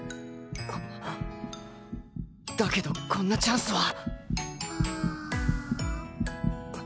だけどこんなチャンスは！